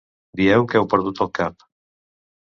Dieu que heu perdut el cap.